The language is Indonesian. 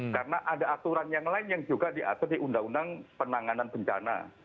karena ada aturan yang lain yang juga diatur di undang undang penanganan bencana